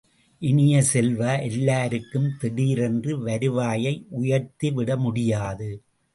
இனிய செல்வ, எல்லாருக்கும் திடீர் என்று வருவாயை உயர்த்திவிடமுடியாது.